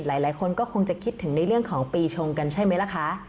หลายคนก็คงจะคิดถึงในเรื่องของปีชงกันใช่ไหมล่ะคะ